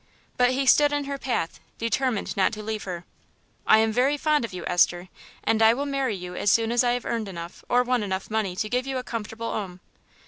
But he stood in her path, determined not to leave her. "I am very fond of you, Esther, and I will marry you as soon as I have earned enough or won enough money to give you a comfortable 'ome."